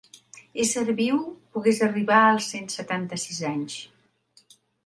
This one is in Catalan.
Ésser viu pogués arribar als cent setanta-sis anys.